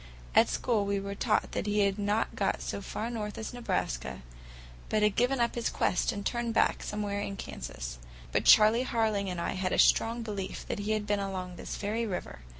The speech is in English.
At school we were taught that he had not got so far north as Nebraska, but had given up his quest and turned back somewhere in Kansas. But Charley Harling and I had a strong belief that he had been along this very river.